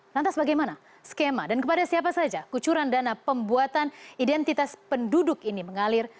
lantas bagaimana skema dan kepada siapa saja kucuran dana pembuatan identitas penduduk ini mengalir